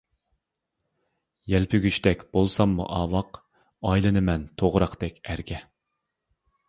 يەلپۈگۈچتەك بولساممۇ ئاۋاق، ئايلىنىمەن توغراقتەك ئەرگە.